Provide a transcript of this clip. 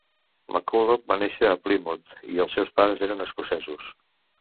McCulloch va néixer a Plymouth i els seis pares eren escocesos.